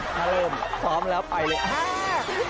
ถ้าเริ่มซ้อมแล้วไปเลย